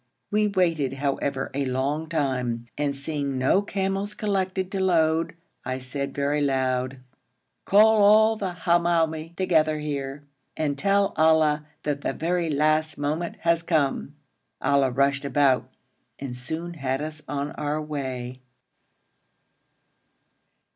We waited, however, a long time, and seeing no camels collected to load I said very loud, 'Call all the Hamoumi together here, and tell Ali that the very last moment has come.' Ali rushed about, and soon had us on our way.